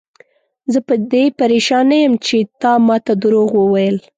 زه په دې پریشان نه یم چې تا ماته دروغ وویل.